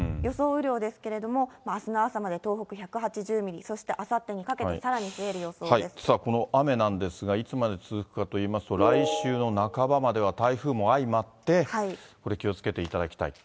雨量ですけれども、あすの朝まで東北１８０ミリ、そしてあさってにかけてさらに増えこの雨なんですが、いつまで続くかといいますと、来週の半ばまでは台風も相まって、これ、気をつけていただきたいと。